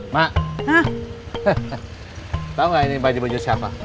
mak tau gak ini baju baju siapa